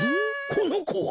このこは。